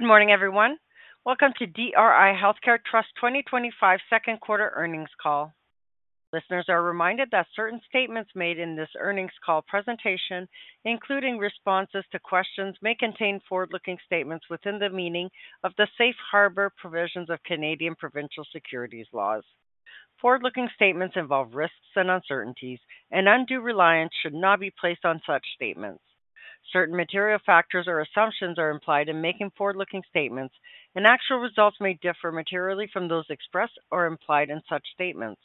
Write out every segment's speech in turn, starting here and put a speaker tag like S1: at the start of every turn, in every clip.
S1: Good morning, everyone. Welcome to DRI Healthcare Trust 2025 Second Quarter Earnings Call. Listeners are reminded that certain statements made in this earnings call presentation, including responses to questions, may contain forward-looking statements within the meaning of the Safe Harbor provisions of Canadian provincial securities laws. Forward-looking statements involve risks and uncertainties, and undue reliance should not be placed on such statements. Certain material factors or assumptions are implied in making forward-looking statements, and actual results may differ materially from those expressed or implied in such statements.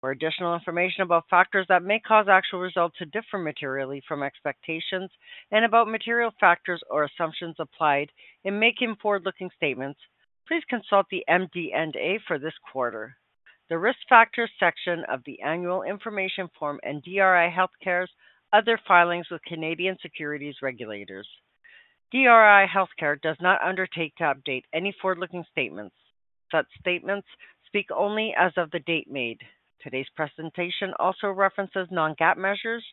S1: For additional information about factors that may cause actual results to differ materially from expectations and about material factors or assumptions applied in making forward-looking statements, please consult the MD&A for this quarter, the Risk Factors section of the Annual Information Form, and DRI Healthcare's other filings with Canadian securities regulators. DRI Healthcare does not undertake to update any forward-looking statements. Such statements speak only as of the date made. Today's presentation also references non-GAAP measures.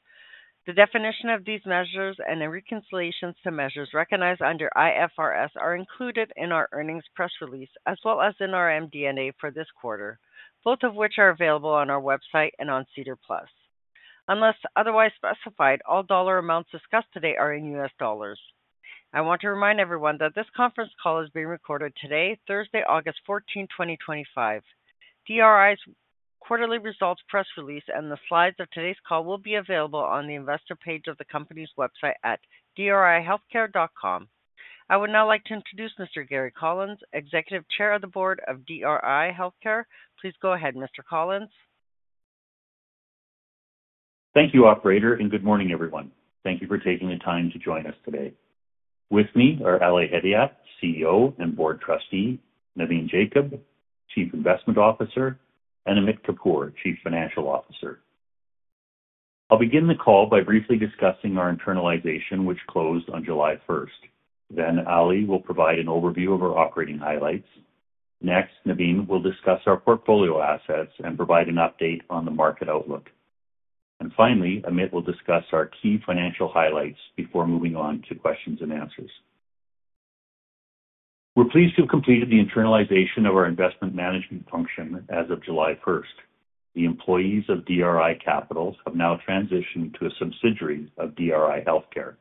S1: The definition of these measures and the reconciliations to measures recognized under IFRS are included in our earnings press release as well as in our MD&A for this quarter, both of which are available on our website and on SEDAR Plus. Unless otherwise specified, all dollar amounts discussed today are in US dollars. I want to remind everyone that this conference call is being recorded today, Thursday, August 14, 2025. DRI Healthcare Trust's quarterly results press release and the slides of today's call will be available on the investor page of the company's website at drihealthcare.com. I would now like to introduce Mr. Gary Collins, Executive Chair of the Board of DRI Healthcare. Please go ahead, Mr. Collins.
S2: Thank you, Operator, and good morning, everyone. Thank you for taking the time to join us today. With me are Ali Hedayat, CEO and Board Trustee, Navin Jacob, Chief Investment Officer, and Amit Kapur, Chief Financial Officer. I'll begin the call by briefly discussing our internalization, which closed on July 1st. Ali will provide an overview of our operating highlights. Next, Navin will discuss our portfolio assets and provide an update on the market outlook. Finally, Amit will discuss our key financial highlights before moving on to questions and answers. We're pleased to have completed the internalization of our investment management function as of July 1st. The employees of DRI Capital have now transitioned to a subsidiary of DRI Healthcare.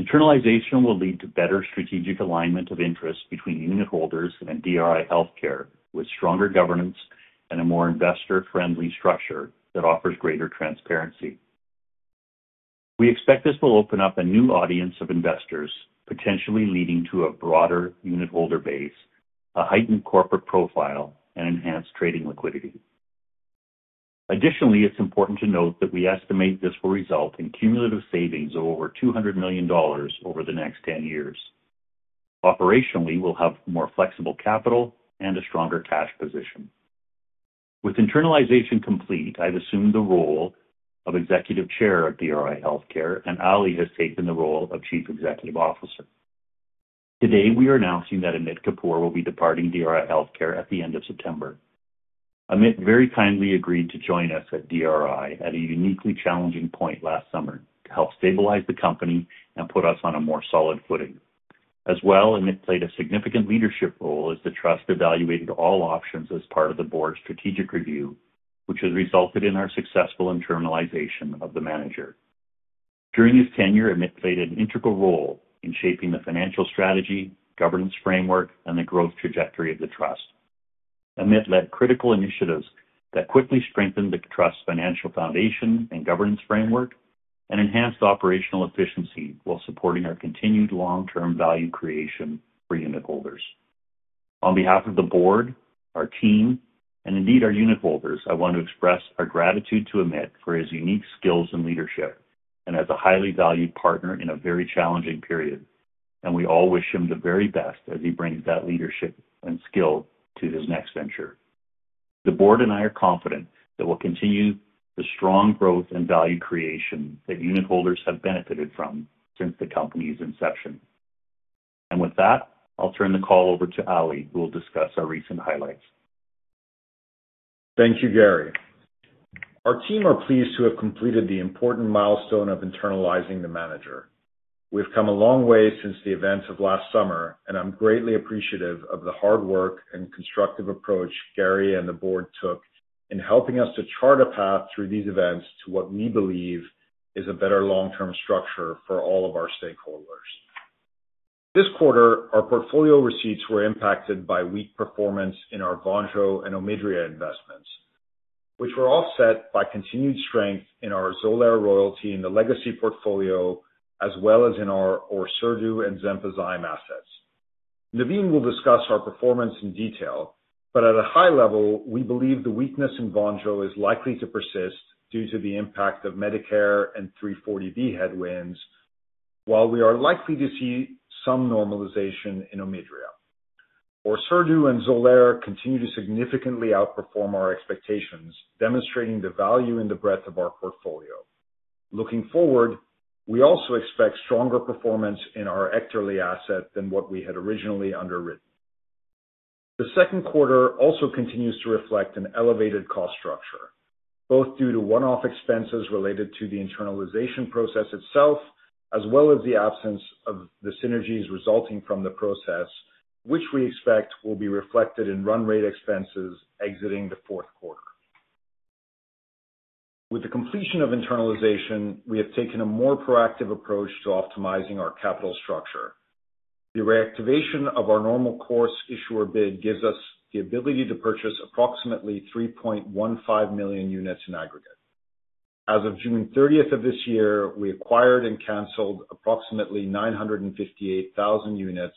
S2: Internalization will lead to better strategic alignment of interest between unitholders and DRI Healthcare, with stronger governance and a more investor-friendly structure that offers greater transparency. We expect this will open up a new audience of investors, potentially leading to a broader unitholder base, a heightened corporate profile, and enhanced trading liquidity. Additionally, it's important to note that we estimate this will result in cumulative savings of over $200 million over the next 10 years. Operationally, we'll have more flexible capital and a stronger cash position. With internalization complete, I've assumed the role of Executive Chair of DRI Healthcare, and Ali has taken the role of Chief Executive Officer. Today, we are announcing that Amit Kapur will be departing DRI Healthcare at the end of September. Amit very kindly agreed to join us at DRI at a uniquely challenging point last summer to help stabilize the company and put us on a more solid footing. Amit played a significant leadership role as the Trust evaluated all options as part of the Board's strategic review, which has resulted in our successful internalization of the manager. During his tenure, Amit played an integral role in shaping the financial strategy, governance framework, and the growth trajectory of the Trust. Amit led critical initiatives that quickly strengthened the Trust's financial foundation and governance framework and enhanced operational efficiency while supporting our continued long-term value creation for unitholders. On behalf of the Board, our team, and indeed our unitholders, I want to express our gratitude to Amit for his unique skills and leadership and as a highly valued partner in a very challenging period. We all wish him the very best as he brings that leadership and skill to his next venture. The Board and I are confident that we'll continue the strong growth and value creation that unitholders have benefited from since the company's inception. With that, I'll turn the call over to Ali, who will discuss our recent highlights.
S3: Thank you, Gary. Our team is pleased to have completed the important milestone of internalizing the manager. We've come a long way since the events of last summer, and I'm greatly appreciative of the hard work and constructive approach Gary and the Board took in helping us to chart a path through these events to what we believe is a better long-term structure for all of our stakeholders. This quarter, our portfolio receipts were impacted by weak performance in our Bonjour and Omidria investments, which were offset by continued strength in our Xolair royalty in the legacy portfolio, as well as in our Orserdu and Zempzyre assets. Navin will discuss our performance in detail, but at a high level, we believe the weakness in Bonjour is likely to persist due to the impact of Medicare and 340B headwinds, while we are likely to see some normalization in Omidria. Orserdu and Xolair continue to significantly outperform our expectations, demonstrating the value in the breadth of our portfolio. Looking forward, we also expect stronger performance in our Ectorly asset than what we had originally underwritten. The second quarter also continues to reflect an elevated cost structure, both due to one-off expenses related to the internalization process itself, as well as the absence of the synergies resulting from the process, which we expect will be reflected in run rate expenses exiting the fourth quarter. With the completion of internalization, we have taken a more proactive approach to optimizing our capital structure. The reactivation of our normal course issuer bid gives us the ability to purchase approximately 3.15 million units in aggregate. As of June 30th of this year, we acquired and canceled approximately 958,000 units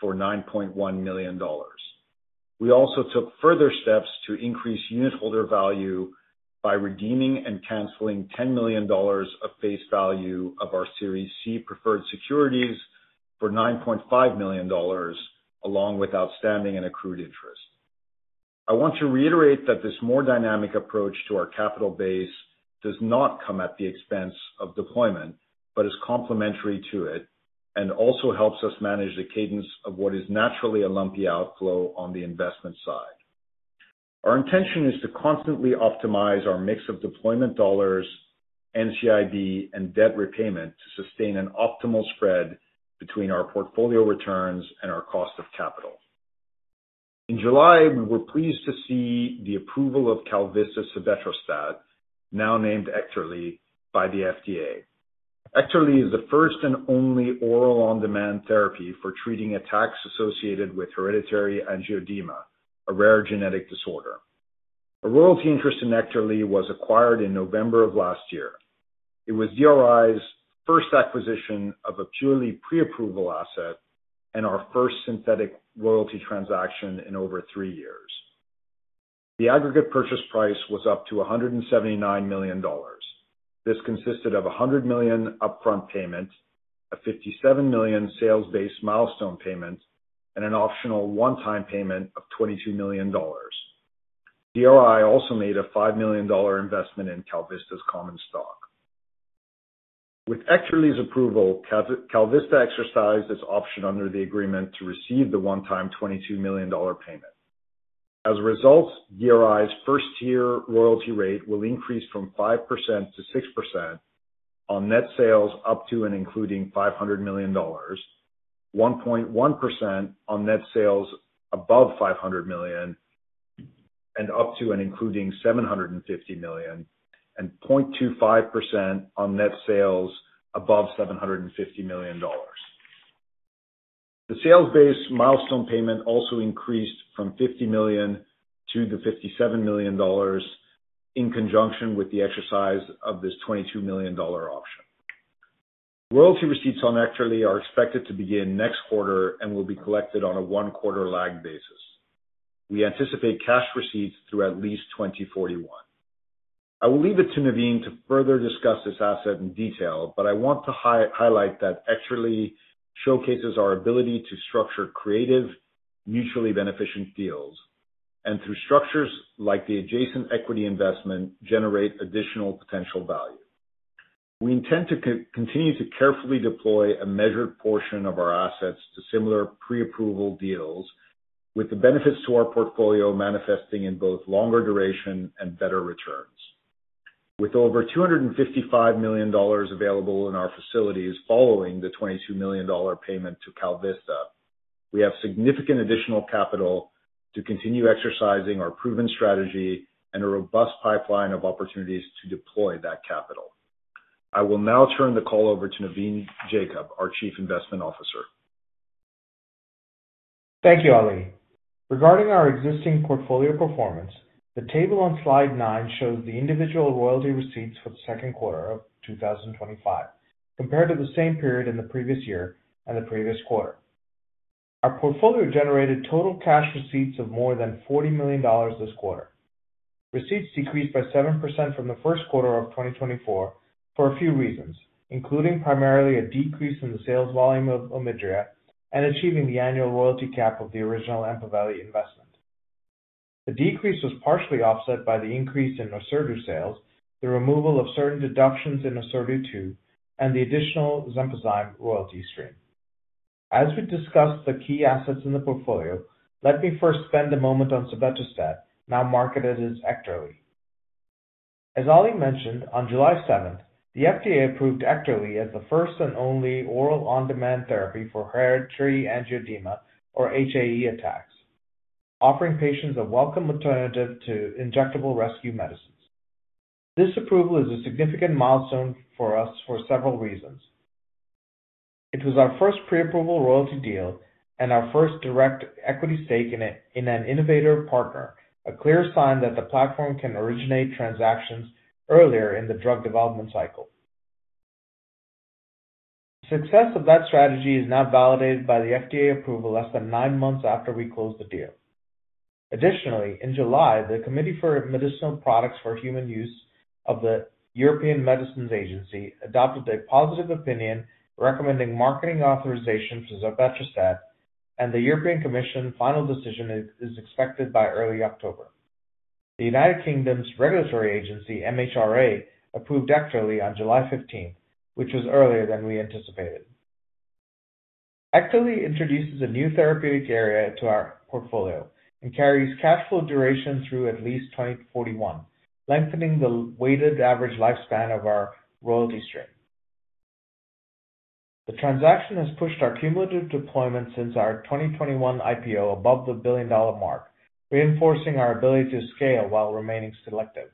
S3: for $9.1 million. We also took further steps to increase unitholder value by redeeming and canceling $10 million of face value of our Series C preferred securities for $9.5 million, along with outstanding and accrued interest. I want to reiterate that this more dynamic approach to our capital base does not come at the expense of deployment, but is complementary to it and also helps us manage the cadence of what is naturally a lumpy outflow on the investment side. Our intention is to constantly optimize our mix of deployment dollars, NCIB, and debt repayment to sustain an optimal spread between our portfolio returns and our cost of capital. In July, we were pleased to see the approval of KalVista subetrostat, now named Ectorly, by the FDA. Ectorly is the first and only oral on-demand therapy for treating attacks associated with hereditary angioedema, a rare genetic disorder. A royalty interest in Ectorly was acquired in November of last year. It was DRI's first acquisition of a purely pre-approval asset and our first synthetic royalty transaction in over three years. The aggregate purchase price was up to $179 million. This consisted of a $100 million upfront payment, a $57 million sales-based milestone payment, and an optional one-time payment of $22 million. DRI also made a $5 million investment in KalVista' common stock. With Ectorly's approval, KalVista exercised its option under the agreement to receive the one-time $22 million payment. As a result, DRI's first-year royalty rate will increase from 5%-6% on net sales up to and including $500 million, 1.1% on net sales above $500 million and up to and including $750 million, and 0.25% on net sales above $750 million. The sales-based milestone payment also increased from $50 million to the $57 million in conjunction with the exercise of this $22 million option. Royalty receipts on Ectorly are expected to begin next quarter and will be collected on a one-quarter lag basis. We anticipate cash receipts through at least 2041. I will leave it to Navin to further discuss this asset in detail, but I want to highlight that Ectorly showcases our ability to structure creative, mutually beneficial deals and through structures like the adjacent equity investment generate additional potential value. We intend to continue to carefully deploy a measured portion of our assets to similar pre-approval deals, with the benefits to our portfolio manifesting in both longer duration and better returns. With over $255 million available in our facilities following the $22 million payment to KalVista, we have significant additional capital to continue exercising our proven strategy and a robust pipeline of opportunities to deploy that capital. I will now turn the call over to Navin Jacob, our Chief Investment Officer.
S4: Thank you, Ali. Regarding our existing portfolio performance, the table on slide nine shows the individual royalty receipts for the second quarter of 2025 compared to the same period in the previous year and the previous quarter. Our portfolio generated total cash receipts of more than $40 million this quarter. Receipts decreased by 7% from the first quarter of 2024 for a few reasons, including primarily a decrease in the sales volume of Omidria and achieving the annual royalty cap of the original Ampavelli investment. The decrease was partially offset by the increase in Orserdu sales, the removal of certain deductions in Orserdu too, and the additional Zempzyre royalty stream. As we discuss the key assets in the portfolio, let me first spend a moment on subetrostat, now marketed as Ectorly. As Ali mentioned, on July 7, the FDA approved Ectorly as the first and only oral on-demand therapy for hereditary angioedema or HAE attacks, offering patients a welcome alternative to injectable rescue medicines. This approval is a significant milestone for us for several reasons. It was our first pre-approval royalty deal and our first direct equity stake in an innovator partner, a clear sign that the platform can originate transactions earlier in the drug development cycle. The success of that strategy is now validated by the FDA approval less than nine months after we closed the deal. Additionally, in July, the Committee for Medicinal Products for Human Use of the European Medicines Agency adopted a positive opinion recommending marketing authorization for subetrostat, and the European Commission's final decision is expected by early October. The United Kingdom's regulatory agency, MHRA, approved Ectorly on July 15, which was earlier than we anticipated. Ectorly introduces a new therapeutic area to our portfolio and carries cash flow duration through at least 2041, lengthening the weighted average lifespan of our royalty stream. The transaction has pushed our cumulative deployment since our 2021 IPO above the billion-dollar mark, reinforcing our ability to scale while remaining selective.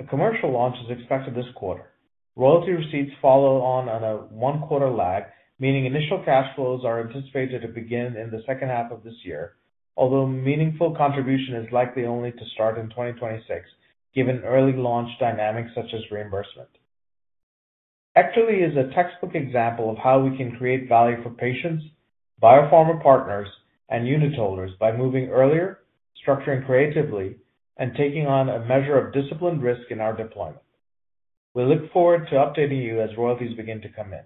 S4: A commercial launch is expected this quarter. Royalty receipts follow on a one-quarter lag, meaning initial cash flows are anticipated to begin in the second half of this year, although meaningful contribution is likely only to start in 2026, given early launch dynamics such as reimbursement. Ectorly is a textbook example of how we can create value for patients, biopharma partners, and unitholders by moving earlier, structuring creatively, and taking on a measure of disciplined risk in our deployment. We look forward to updating you as royalties begin to come in.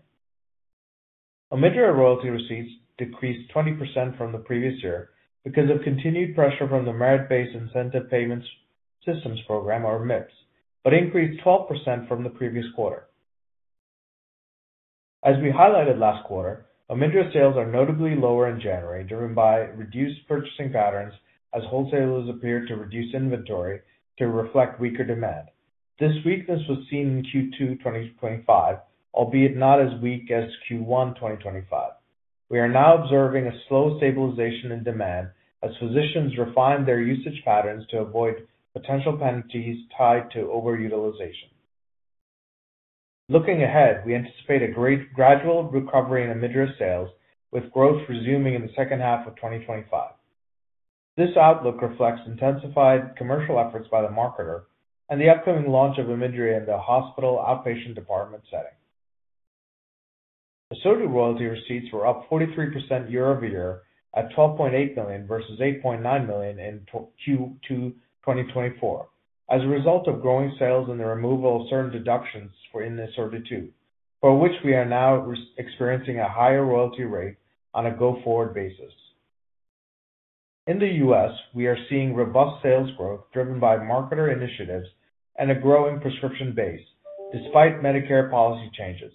S4: Omidria royalty receipts decreased 20% from the previous year because of continued pressure from the Merit-based Incentive Payment System, or MIPS, but increased 12% from the previous quarter. As we highlighted last quarter, Omidria sales are notably lower in January, driven by reduced purchasing patterns as wholesalers appear to reduce inventory to reflect weaker demand. This weakness was seen in Q2 2025, albeit not as weak as Q1 2025. We are now observing a slow stabilization in demand as physicians refine their usage patterns to avoid potential penalties tied to overutilization. Looking ahead, we anticipate a gradual recovery in Omidria sales, with growth resuming in the second half of 2025. This outlook reflects intensified commercial efforts by the marketer and the upcoming launch of Omidria in the hospital outpatient department setting. Orserdu royalty receipts were up 43% year-over-year at $12.8 million versus $8.9 million in Q2 2024, as a result of growing sales and the removal of certain deductions for Orserdu, for which we are now experiencing a higher royalty rate on a go-forward basis. In the U.S., we are seeing robust sales growth driven by marketer initiatives and a growing prescription base, despite Medicare policy changes.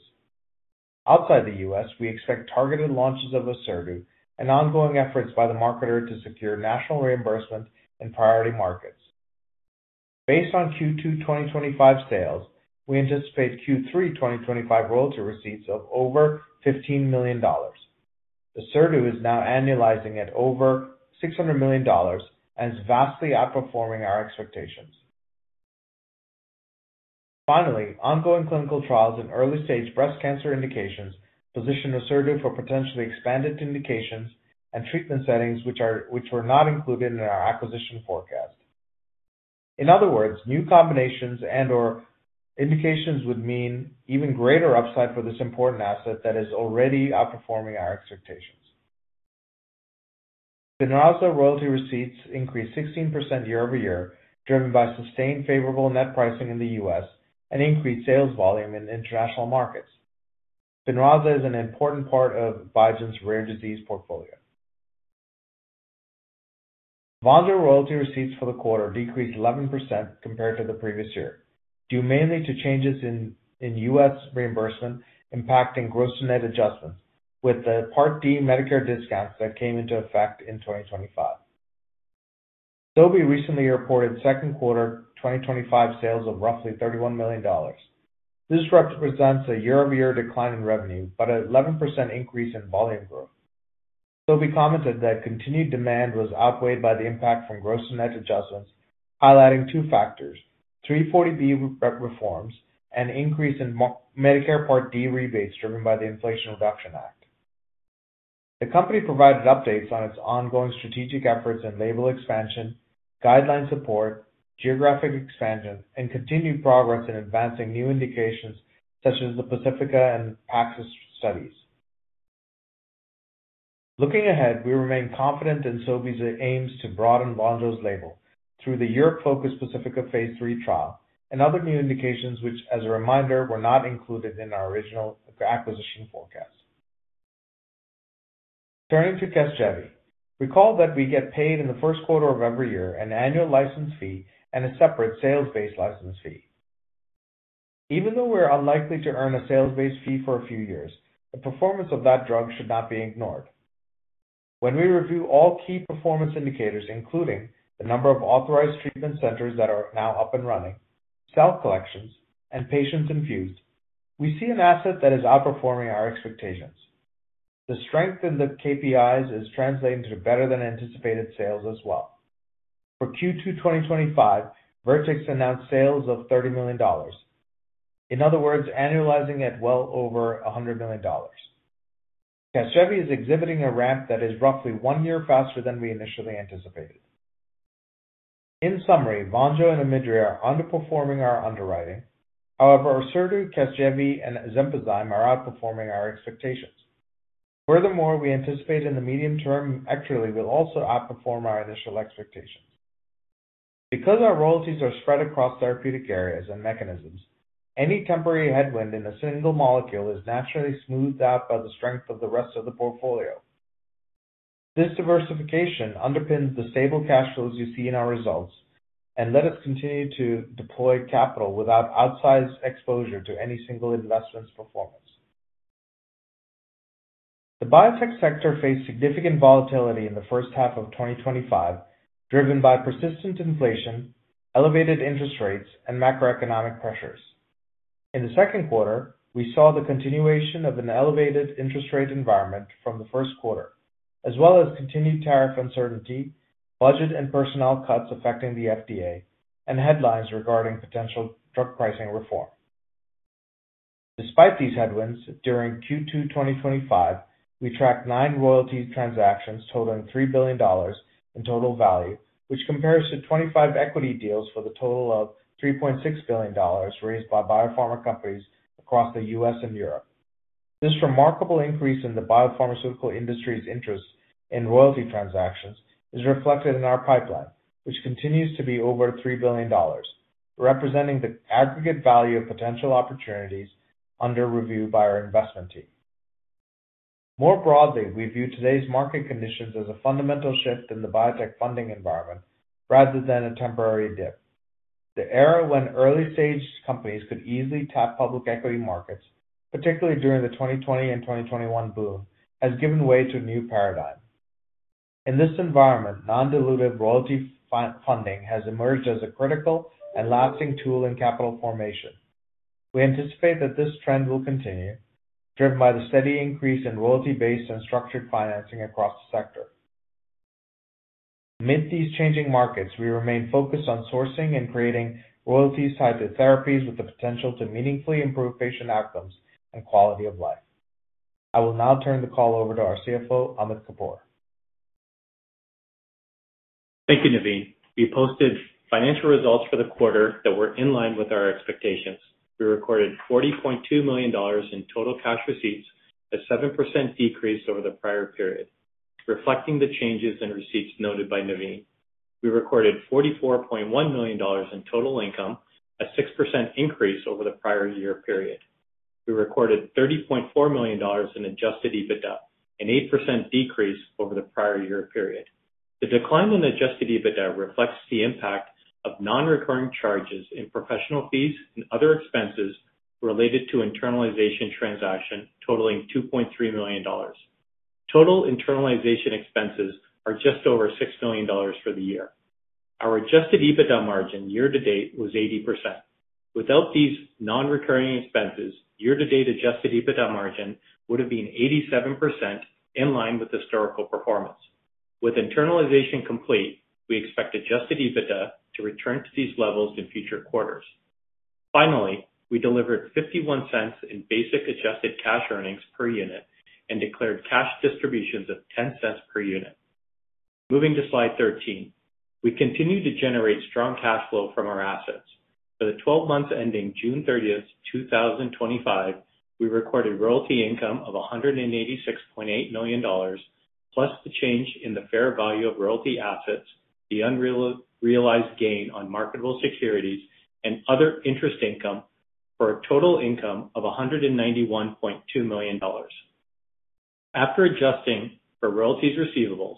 S4: Outside the U.S., we expect targeted launches of Orserdu and ongoing efforts by the marketer to secure national reimbursement in priority markets. Based on Q2 2025 sales, we anticipate Q3 2025 royalty receipts of over $15 million. Orserdu is now annualizing at over $600 million and is vastly outperforming our expectations. Finally, ongoing clinical trials in early-stage breast cancer indications position Orserdu for potentially expanded indications and treatment settings which were not included in our acquisition forecast. In other words, new combinations and/or indications would mean even greater upside for this important asset that is already outperforming our expectations. Spinraza royalty receipts increased 16% year-over-year, driven by sustained favorable net pricing in the U.S. and increased sales volume in international markets. Spinraza is an important part of Biogen's rare disease portfolio. Bonjour royalty receipts for the quarter decreased 11% compared to the previous year, due mainly to changes in U.S. reimbursement impacting gross net adjustment, with the Part D Medicare discounts that came into effect in 2025. Sobey recently reported second quarter 2025 sales of roughly $31 million. This represents a year-over-year decline in revenue, but an 11% increase in volume growth. Sobey commented that continued demand was outweighed by the impact from gross net adjustments, highlighting two factors: 340B reforms and an increase in Medicare Part D rebates driven by the Inflation Reduction Act. The company provided updates on its ongoing strategic efforts in label expansion, guideline support, geographic expansion, and continued progress in advancing new indications such as the Pacifica and Paxos studies. Looking ahead, we remain confident in Sobey's aims to broaden Bonjour's label through the Europe-focused Pacifica Phase III trial and other new indications, which, as a reminder, were not included in our original acquisition forecast. Turning to Kesgevi, recall that we get paid in the first quarter of every year an annual license fee and a separate sales-based license fee. Even though we're unlikely to earn a sales-based fee for a few years, the performance of that drug should not be ignored. When we review all key performance indicators, including the number of authorized treatment centers that are now up and running, cell collections, and patients infused, we see an asset that is outperforming our expectations. The strength in the KPIs is translating to better-than-anticipated sales as well. For Q2 2025, Vertex announced sales of $30 million. In other words, annualizing at well over $100 million. Kesgevi is exhibiting a ramp that is roughly one year faster than we initially anticipated. In summary, Bonjour and Omidria are underperforming our underwriting. However, Orserdu, Kesgevi, and Xolair are outperforming our expectations. Furthermore, we anticipate in the medium term, Ectorly will also outperform our initial expectations. Because our royalties are spread across therapeutic areas and mechanisms, any temporary headwind in a single molecule is naturally smoothed out by the strength of the rest of the portfolio. This diversification underpins the stable cash flows you see in our results, and lets us continue to deploy capital without outsized exposure to any single investment's performance. The biotech sector faced significant volatility in the first half of 2025, driven by persistent inflation, elevated interest rates, and macroeconomic pressures. In the second quarter, we saw the continuation of an elevated interest rate environment from the first quarter, as well as continued tariff uncertainty, budget and personnel cuts affecting the FDA, and headlines regarding potential drug pricing reform. Despite these headwinds, during Q2 2025, we tracked nine royalty transactions totaling $3 billion in total value, which compares to 25 equity deals for the total of $3.6 billion raised by biopharma companies across the U.S. and Europe. This remarkable increase in the biopharmaceutical industry's interest in royalty transactions is reflected in our pipeline, which continues to be over $3 billion, representing the aggregate value of potential opportunities under review by our investment team. More broadly, we view today's market conditions as a fundamental shift in the biotech funding environment rather than a temporary dip. The era when early-stage companies could easily tap public equity markets, particularly during the 2020 and 2021 boom, has given way to a new paradigm. In this environment, non-diluted royalty funding has emerged as a critical and lasting tool in capital formation. We anticipate that this trend will continue, driven by the steady increase in royalty-based and structured financing across the sector. Amid these changing markets, we remain focused on sourcing and creating royalties-hypertherapies with the potential to meaningfully improve patient outcomes and quality of life. I will now turn the call over to our CFO, Amit Kapur.
S5: Thank you, Navin. We posted financial results for the quarter that were in line with our expectations. We recorded $40.2 million in total cash receipts, a 7% decrease over the prior period, reflecting the changes in receipts noted by Navin. We recorded $44.1 million in total income, a 6% increase over the prior year period. We recorded $30.4 million in adjusted EBITDA, an 8% decrease over the prior year period. The decline in adjusted EBITDA reflects the impact of non-recurring charges in professional fees and other expenses related to internalization transactions, totaling $2.3 million. Total internalization expenses are just over $6 million for the year. Our adjusted EBITDA margin year-to-date was 80%. Without these non-recurring expenses, year-to-date adjusted EBITDA margin would have been 87% in line with historical performance. With internalization complete, we expect adjusted EBITDA to return to these levels in future quarters. Finally, we delivered $0.51 in basic adjusted cash earnings per unit and declared cash distributions of $0.10 per unit. Moving to slide 13, we continue to generate strong cash flow from our assets. For the 12 months ending June 30th, 2025, we recorded royalty income of $186.8 million, plus the change in the fair value of royalty assets, the unrealized gain on marketable securities, and other interest income for a total income of $191.2 million. After adjusting for royalties receivables,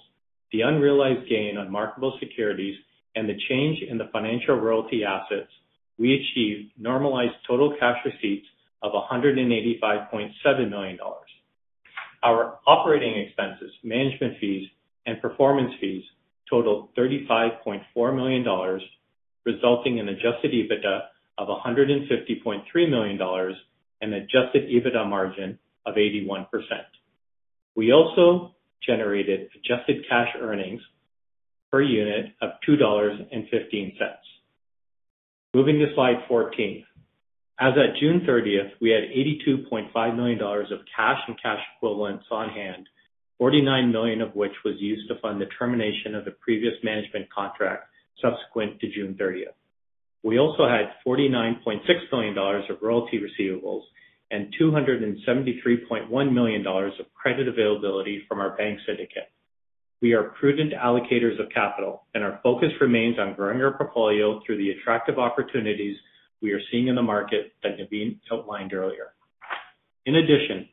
S5: the unrealized gain on marketable securities, and the change in the financial royalty assets, we achieved normalized total cash receipts of $185.7 million. Our operating expenses, management fees, and performance fees totaled $35.4 million, resulting in adjusted EBITDA of $150.3 million and an adjusted EBITDA margin of 81%. We also generated adjusted cash earnings per unit of $2.15. Moving to slide 14, as at June 30th, we had $82.5 million of cash and cash equivalents on hand, $49 million of which was used to fund the termination of a previous management contract subsequent to June 30. We also had $49.6 million of royalty receivables and $273.1 million of credit availability from our bank syndicate. We are prudent allocators of capital, and our focus remains on growing our portfolio through the attractive opportunities we are seeing in the market that Navin outlined earlier. In addition,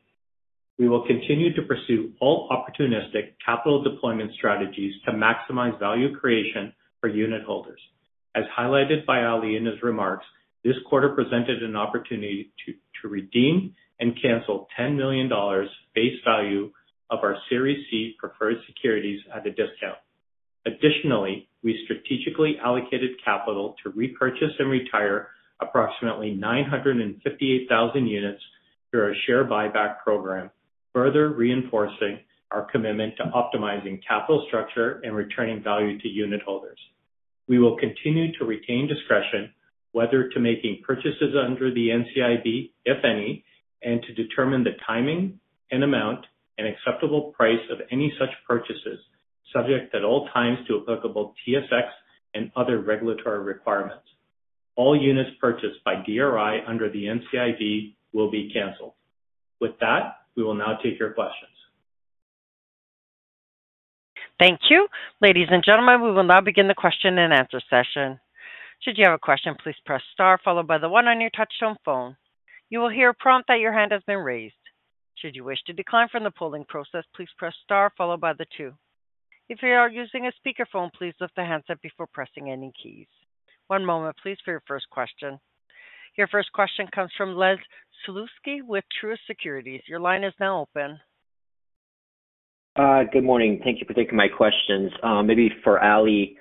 S5: we will continue to pursue all opportunistic capital deployment strategies to maximize value creation for unitholders. As highlighted by Ali in his remarks, this quarter presented an opportunity to redeem and cancel $10 million base value of our Series C preferred securities at a discount. Additionally, we strategically allocated capital to repurchase and retire approximately 958,000 units through our share buyback program, further reinforcing our commitment to optimizing capital structure and returning value to unitholders. We will continue to retain discretion, whether to make purchases under the NCIB, if any, and to determine the timing and amount and acceptable price of any such purchases, subject at all times to applicable TSX and other regulatory requirements. All units purchased by DRI under the NCIB will be canceled. With that, we will now take your questions.
S1: Thank you. Ladies and gentlemen, we will now begin the question and answer session. Should you have a question, please press star followed by the one on your touch-tone phone. You will hear a prompt that your hand has been raised. Should you wish to decline from the polling process, please press star followed by the two. If you are using a speakerphone, please lift the handset before pressing any keys. One moment, please, for your first question. Your first question comes from Les Sulewski with Truist Securities. Your line is now open.
S6: Good morning. Thank you for taking my questions. Maybe for Ali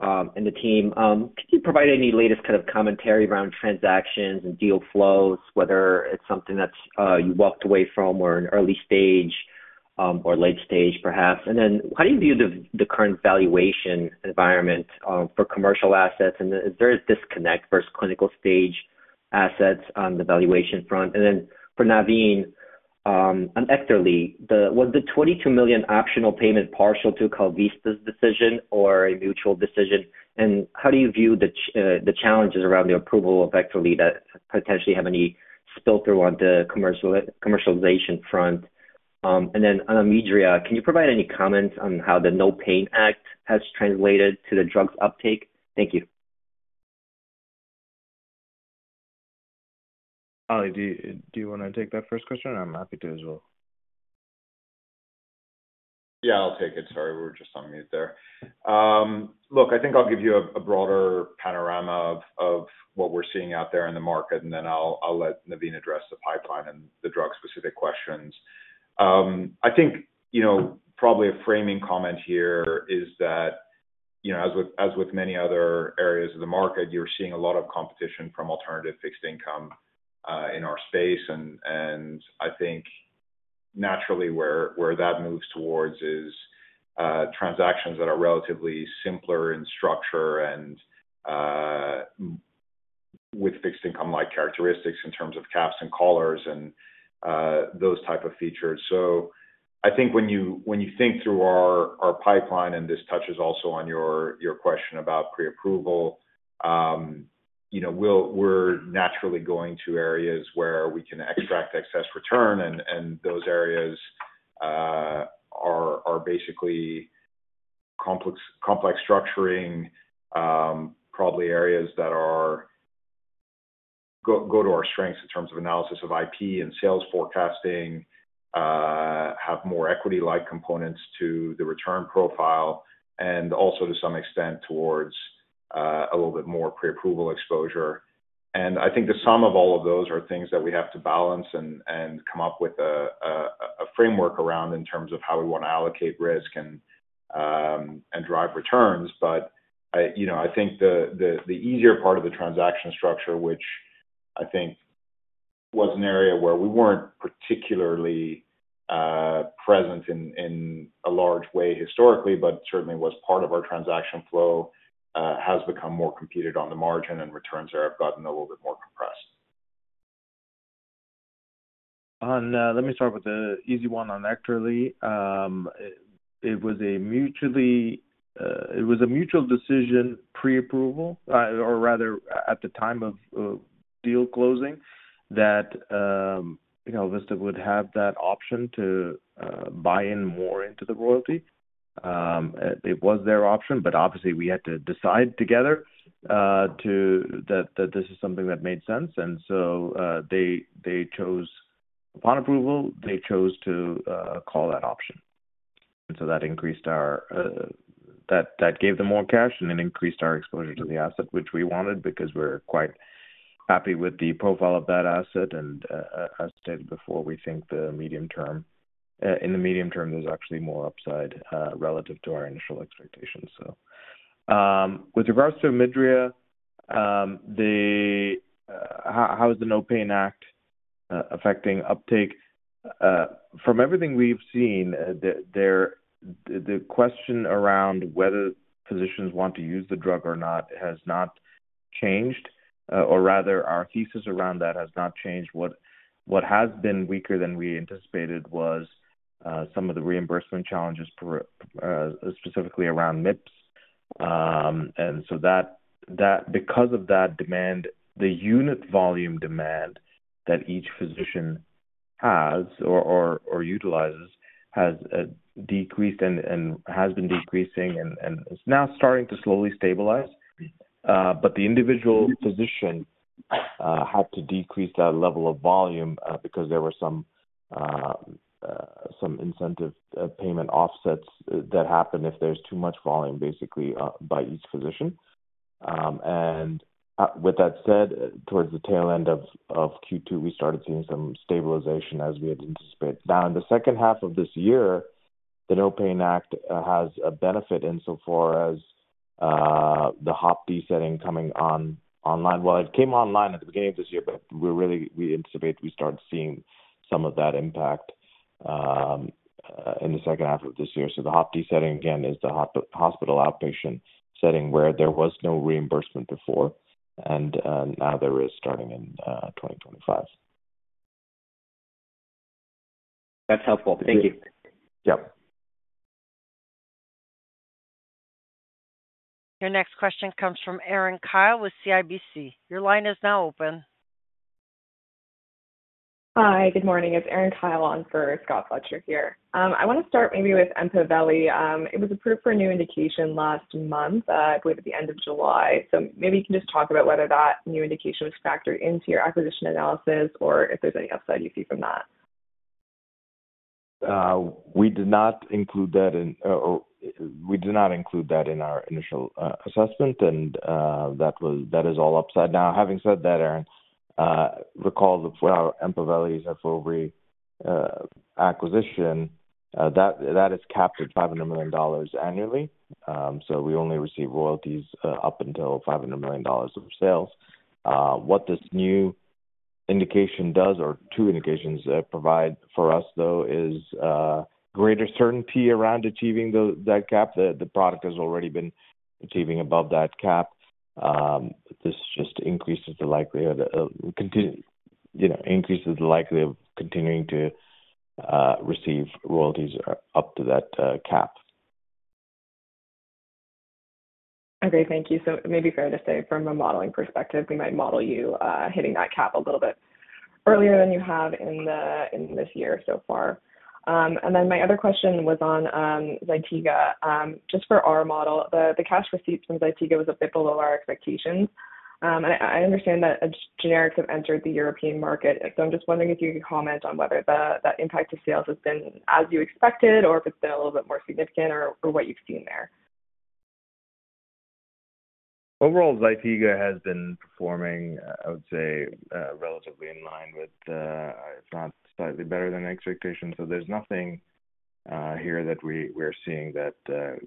S6: and the team, could you provide any latest kind of commentary around transactions and deal flows, whether it's something that you walked away from or an early stage or late stage perhaps? How do you view the current valuation environment for commercial assets? Is there a disconnect versus clinical stage assets on the valuation front? For Navin, on Ectorly, was the $22 million optional payment partial to KalVista's decision or a mutual decision? How do you view the challenges around the approval of Ectorly that potentially have any spill through on the commercialization front? On Omidria, can you provide any comments on how the No Pain Act has translated to the drug uptake? Thank you.
S4: Ali, do you want to take that first question? I'm happy to as well.
S3: Yeah, I'll take it. Sorry, we were just on mute there. Look, I think I'll give you a broader panorama of what we're seeing out there in the market, and then I'll let Navin address the pipeline and the drug-specific questions. I think, you know, probably a framing comment here is that, you know, as with many other areas of the market, you're seeing a lot of competition from alternative fixed income in our space. I think naturally where that moves towards is transactions that are relatively simpler in structure and with fixed income-like characteristics in terms of caps and collars and those types of features. I think when you think through our pipeline, and this touches also on your question about pre-approval, you know, we're naturally going to areas where we can extract excess return, and those areas are basically complex structuring, probably areas that go to our strengths in terms of analysis of IP and sales forecasting, have more equity-like components to the return profile, and also to some extent towards a little bit more pre-approval exposure. I think the sum of all of those are things that we have to balance and come up with a framework around in terms of how we want to allocate risk and drive returns. You know, I think the easier part of the transaction structure, which I think was an area where we weren't particularly present in a large way historically, but certainly was part of our transaction flow, has become more competed on the margin, and returns there have gotten a little bit more compressed.
S4: Let me start with the easy one on Ectorly. It was a mutual decision pre-approval, or rather at the time of deal closing, that KalVista would have that option to buy in more into the royalty. It was their option, but obviously we had to decide together that this is something that made sense. They chose, upon approval, to call that option. That gave them more cash and it increased our exposure to the asset, which we wanted because we're quite happy with the profile of that asset. As stated before, we think in the medium term, there's actually more upside relative to our initial expectations. With regards to Omidria, how is the No Pain Act affecting uptake? From everything we've seen, the question around whether physicians want to use the drug or not has not changed, or rather our thesis around that has not changed. What has been weaker than we anticipated was some of the reimbursement challenges, specifically around MIPS. Because of that demand, the unit volume demand that each physician has or utilizes has decreased and has been decreasing and is now starting to slowly stabilize. The individual physician had to decrease that level of volume because there were some incentive payment offsets that happen if there's too much volume, basically, by each physician. With that said, towards the tail end of Q2, we started seeing some stabilization as we had anticipated. In the second half of this year, the No Pain Act has a benefit insofar as the HOPD setting coming online. It came online at the beginning of this year, but we anticipated we would start seeing some of that impact in the second half of this year. The HOPD setting, again, is the hospital outpatient setting where there was no reimbursement before, and now there is starting in 2025.
S6: That's helpful. Thank you.
S4: Yep.
S1: Your next question comes from Erin Kyle with CIBC. Your line is now open.
S7: Hi. Good morning. It's Erin Kyle on for Scott Fletcher here. I want to start maybe with Ampavelli. It was approved for a new indication last month, I believe at the end of July. Maybe you can just talk about whether that new indication was factored into your acquisition analysis or if there's any upside you see from that.
S3: We did not include that in our initial assessment, and that is all upside. Now, having said that, Erin, recall that Ampavelli's FOB acquisition is capped at $500 million annually. We only receive royalties up until $500 million of sales. What this new indication does, or two indications provide for us, is greater certainty around achieving that cap. The product has already been achieving above that cap. This just increases the likelihood of continuing to receive royalties up to that cap.
S7: Thank you. It may be fair to say from a modeling perspective, we might model you hitting that cap a little bit earlier than you have in this year so far. My other question was on Zytiga. Just for our model, the cash receipts from Zytiga were a bit below our expectations. I understand that generics have entered the European market. I am just wondering if you could comment on whether the impact of sales has been as you expected or if it has been a little bit more significant or what you have seen there.
S3: Overall, Zytiga has been performing, I would say, relatively in line with, if not slightly better than expectations. There is nothing here that we're seeing that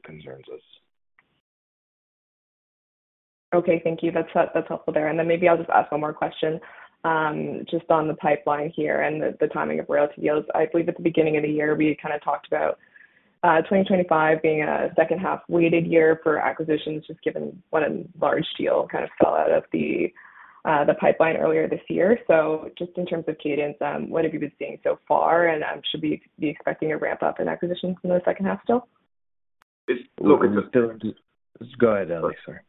S3: concerns us.
S7: Okay. Thank you. That's helpful there. Maybe I'll just ask one more question just on the pipeline here and the timing of royalty deals. I believe at the beginning of the year, we kind of talked about 2025 being a second-half weighted year for acquisitions, just given what a large deal kind of fell out of the pipeline earlier this year. Just in terms of cadence, what have you been seeing so far, and should we be expecting a ramp-up in acquisitions in the second half still?
S3: Look, it's just.
S4: Go ahead, Ali. Sorry.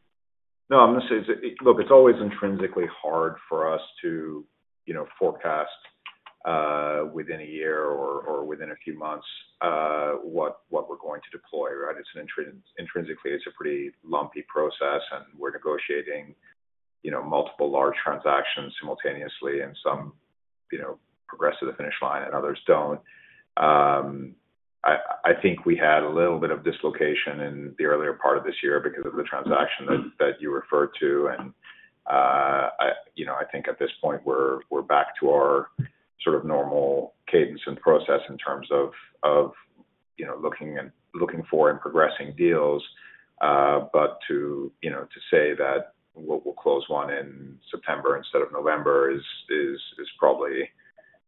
S3: No, I'm going to say, look, it's always intrinsically hard for us to forecast within a year or within a few months what we're going to deploy, right? It's intrinsically a pretty lumpy process, and we're negotiating multiple large transactions simultaneously and some progress to the finish line and others don't. I think we had a little bit of dislocation in the earlier part of this year because of the transaction that you referred to. I think at this point, we're back to our sort of normal cadence and process in terms of looking for and progressing deals. To say that we'll close one in September instead of November is probably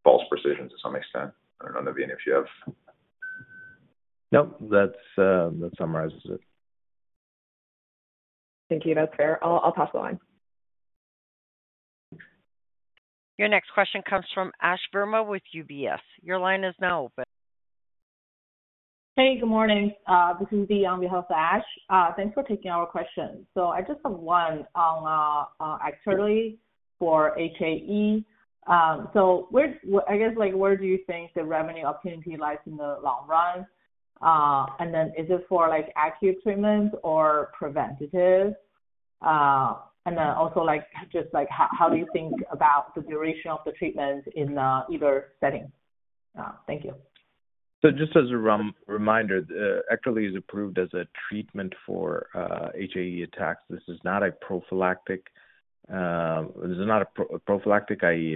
S3: false precision to some extent. I don't know, Navin, if you have.
S4: No, that summarizes it.
S7: Thank you. That's fair. I'll pass the line.
S1: Your next question comes from Ash Verma with UBS. Your line is now open.
S8: Hey, good morning. This is Dee on behalf of Ash. Thanks for taking our questions. I just have one on Ectorly for HAE. Where do you think the revenue opportunity lies in the long run? Is this for acute treatment or preventative? Also, how do you think about the duration of the treatment in either setting? Thank you.
S3: Just as a reminder, Ectorly is approved as a treatment for HAE attacks. This is not a prophylactic, i.e.,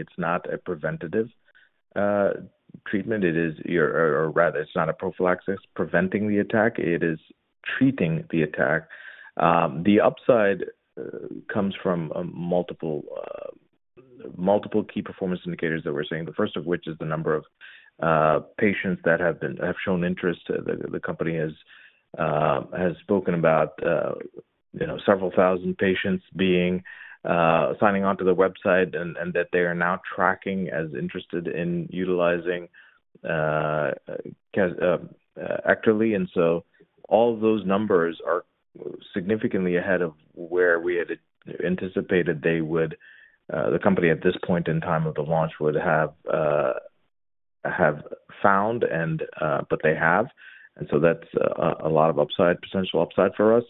S3: it's not a preventative treatment. It is not a prophylaxis. It's not preventing the attack. It is treating the attack. The upside comes from multiple key performance indicators that we're seeing, the first of which is the number of patients that have shown interest. The company has spoken about several thousand patients signing onto the website and that they are now tracking as interested in utilizing Ectorly. All of those numbers are significantly ahead of where we had anticipated they would be, the company at this point in time of the launch would have found, and they have. That's a lot of upside, potential upside for us.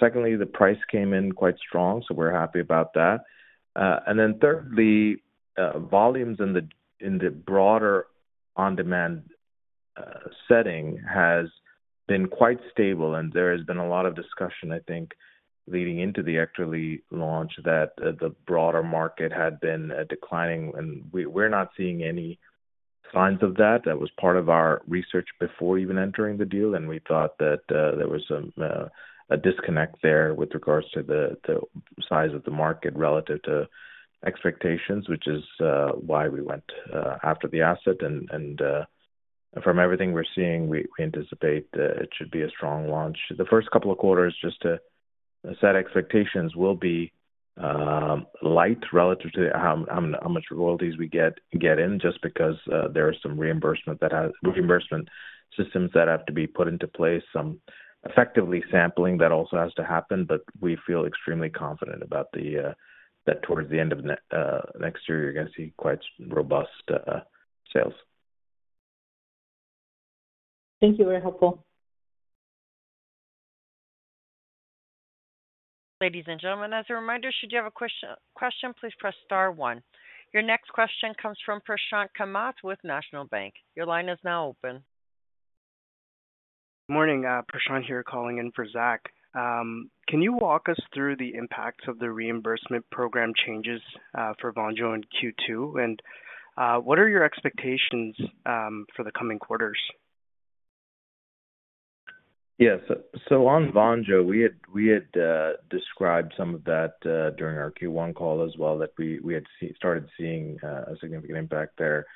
S3: Secondly, the price came in quite strong, so we're happy about that. Thirdly, volumes in the broader on-demand setting have been quite stable, and there has been a lot of discussion, I think, leading into the Ectorly launch that the broader market had been declining. We're not seeing any signs of that. That was part of our research before even entering the deal, and we thought that there was a disconnect there with regards to the size of the market relative to expectations, which is why we went after the asset. From everything we're seeing, we anticipate it should be a strong launch. The first couple of quarters, just to set expectations, will be light relative to how much royalties we get in, just because there are some reimbursement systems that have to be put into place, some effectively sampling that also has to happen. We feel extremely confident that towards the end of next year, you're going to see quite robust sales.
S8: Thank you. Very helpful.
S1: Ladies and gentlemen, as a reminder, should you have a question, please press star one. Your next question comes from Prashanth Kamath with National Bank. Your line is now open.
S9: Morning. Prashanth here calling in for Zach. Can you walk us through the impacts of the reimbursement program changes for Bonjour in Q2, and what are your expectations for the coming quarters?
S3: Yes. On Bonjour, we had described some of that during our Q1 call as well, that we had started seeing a significant impact there,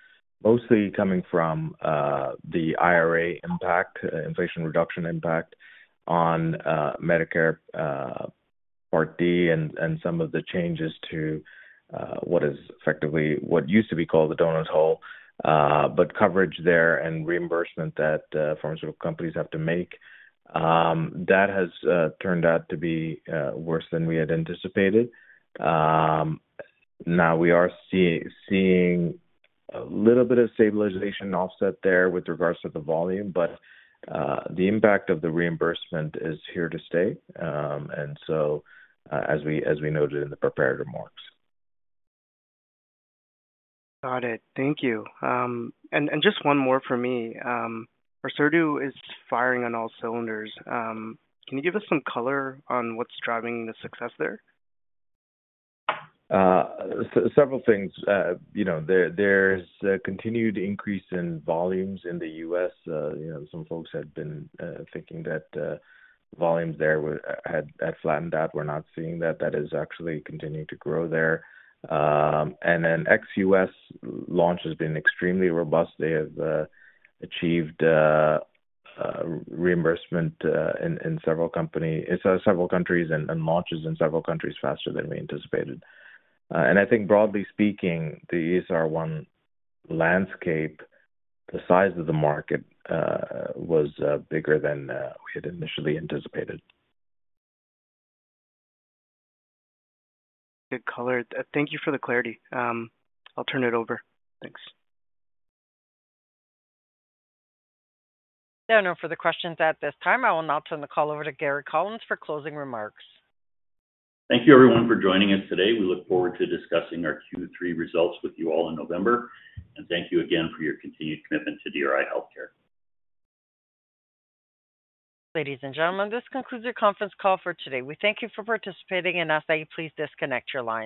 S3: mostly coming from the IRA impact, inflation reduction impact on Medicare Part D, and some of the changes to what is effectively what used to be called the donut hole, but coverage there and reimbursement that pharmaceutical companies have to make. That has turned out to be worse than we had anticipated. We are seeing a little bit of stabilization offset there with regards to the volume, but the impact of the reimbursement is here to stay, as we noted in the preparatory remarks.
S9: Got it. Thank you. Just one more for me. Orserdu is firing on all cylinders. Can you give us some color on what's driving the success there?
S3: Several things. There's a continued increase in volumes in the U.S. Some folks had been thinking that volumes there had flattened out. We're not seeing that. That is actually continuing to grow there. The ex-U.S. launch has been extremely robust. They have achieved reimbursement in several countries and launches in several countries faster than we anticipated. I think, broadly speaking, the ESR1 landscape, the size of the market was bigger than we had initially anticipated.
S9: Good color. Thank you for the clarity. I'll turn it over. Thanks.
S1: There are no further questions at this time. I will now turn the call over to Gary Collins for closing remarks.
S10: Thank you, everyone, for joining us today. We look forward to discussing our Q3 results with you all in November. Thank you again for your continued commitment to DRI Healthcare Trust.
S1: Ladies and gentlemen, this concludes your conference call for today. We thank you for participating and ask that you please disconnect your line.